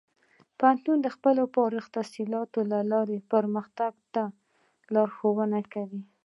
پوهنتون د خپلو فارغ التحصیلانو له لارې پرمختګ ته لارښوونه کوي.